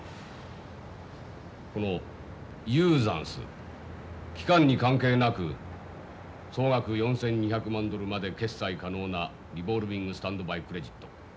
このユーザンス期間に関係なく総額４，２００万ドルまで決済可能なリヴォールヴィング・スタンド・バイ・クレジット。